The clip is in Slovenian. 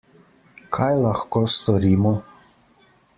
Kaj lahko storimo?